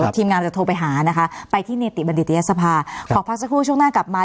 ทีมงานจะโทรไปหานะคะไปที่เนติบัณฑิตยศภาขอพักสักครู่ช่วงหน้ากลับมา